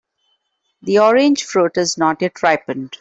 The orange fruit is not yet ripened.